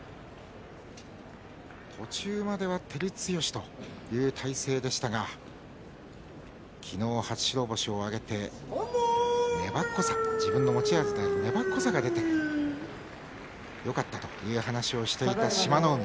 途中までは照強という体勢でしたが昨日、初白星を挙げて、粘っこさ自分の持ち味である粘っこさが出てきてよかったという話をしていた志摩ノ海。